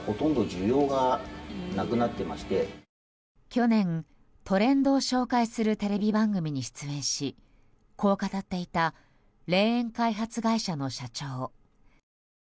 去年、トレンドを紹介するテレビ番組に出演しこう語っていた霊園開発会社の社長。